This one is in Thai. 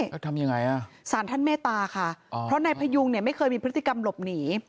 แล้วทำยังไงอ่ะสารท่านเมตตาค่ะเพราะนายพยุงเนี่ยไม่เคยมีพฤติกรรมหลบหนี